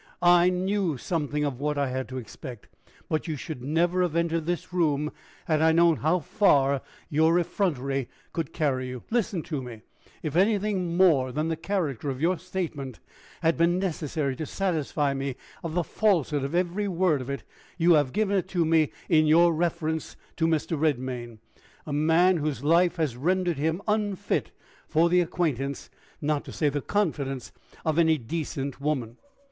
I knew something of what I had to expect, but you should never have entered this room had I known how far your effrontery could carry you. Listen to me: if anything more than the character of your statement had been necessary to satisfy me of the falsehood of every word of it, you have given it me in your reference to Mr. Redmain a man whose life has rendered him unfit for the acquaintance, not to say the confidence of any decent woman.